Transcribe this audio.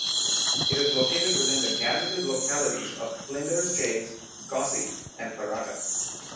It is located within the gazetted localities of Flinders Chase, Gosse and Karatta.